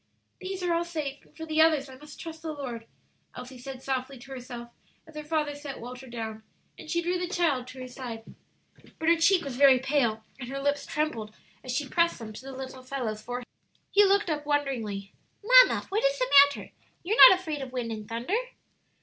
"These are all safe, and for the others I must trust the Lord," Elsie said softly to herself as her father set Walter down, and she drew the child to her side. But her cheek was very pale, and her lips trembled as she pressed them to the little fellow's forehead. He looked up wonderingly. "Mamma, what is the matter? You're not afraid of wind and thunder?"